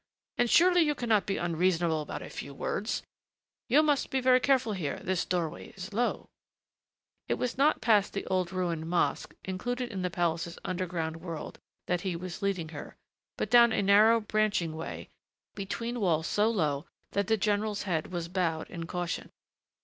And surely you cannot be unreasonable about a few words you must be very careful, here, this doorway is low " It was not past the old ruined mosque, included in the palace's underground world, that he was leading her, but down a narrow branching way, between walls so low that the general's head was bowed in caution.